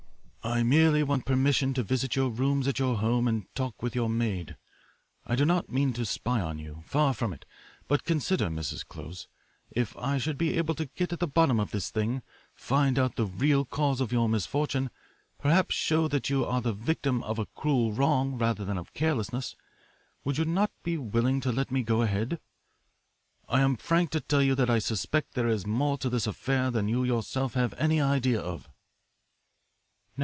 "I merely want permission to visit your rooms at your home and to talk with your maid. I do not mean to spy on you, far from it; but consider, Mrs. Close, if I should be able to get at the bottom of this thing, find out the real cause of your misfortune, perhaps show that you are the victim of a cruel wrong rather than of carelessness, would you not be willing to let me go ahead? I am frank to tell you that I suspect there is more to this affair than you yourself have any idea of."